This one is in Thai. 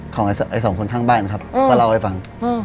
ของไอ้สองคนทางบ้านนะครับว่าเราเอาไว้ฟัง